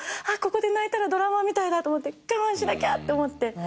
ここで泣いたらドラマみたいだと思って我慢しなきゃと思って。